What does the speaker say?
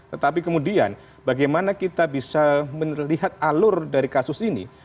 tetapi kemudian bagaimana kita bisa melihat alur dari kasus ini